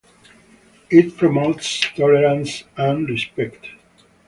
It promotes tolerance and respect.